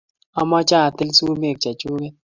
Amche atil sumek chechuket